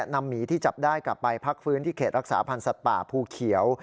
หมีที่จับได้กลับไปพักฟื้นที่เขตรักษาพันธ์สัตว์ป่าภูเขียว